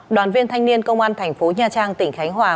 đoàn viên thanh niên công an thành phố nha trang tỉnh khánh hòa